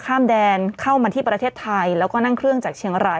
ข้ามแดนเข้ามาที่ประเทศไทยแล้วก็นั่งเครื่องจากเชียงราย